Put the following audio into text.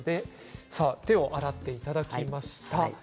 手を洗っていただきまして。